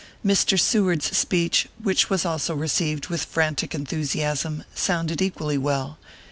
Mr. Reward s speech, which was also received with frantic enthusiasm, sounded equally well.